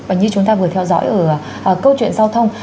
và như chúng ta vừa theo dõi ở câu chuyện giao thông